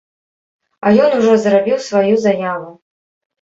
А ён ужо зрабіў сваю заяву.